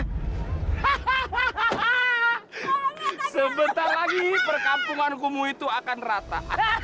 hahaha sebentar lagi perkampungan kumu itu akan rata